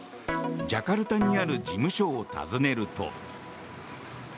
ジャカルタにある事務所を訪ねると。